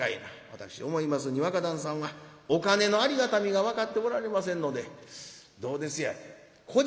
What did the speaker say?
私思いますに若旦さんはお金のありがたみが分かっておられませんのでどうですやろこ